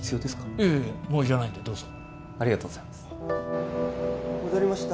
いえもういらないんでどうぞありがとうございます戻りました